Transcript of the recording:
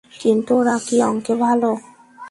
কিন্তু ওরা কি অঙ্কে ভালো?